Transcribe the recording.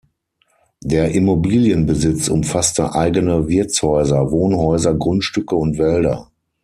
Der Immobilienbesitz umfasste eigene Wirtshäuser, Wohnhäuser, Grundstücke und Wälder.